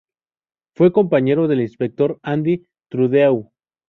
Fue compañero del inspector Andy Trudeau.